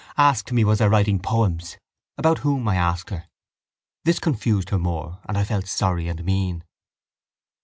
Asked me was I writing poems? About whom? I asked her. This confused her more and I felt sorry and mean.